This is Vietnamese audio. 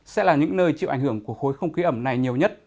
sẽ là những nơi chịu ảnh hưởng của khối không khí ẩm này nhiều nhất